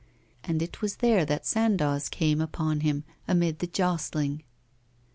And it was there that Sandoz came upon him, amid the jostling.